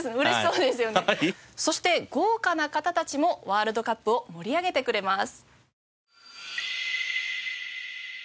そして豪華な方たちもワールドカップを盛り上げてくれます。